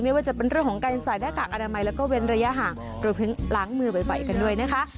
ไม่ว่าจะเป็นเรื่องของการใส่หน้ากากอนามัยแล้วก็เว้นระยะห่างรวมถึงล้างมือบ่อยกันด้วยนะคะ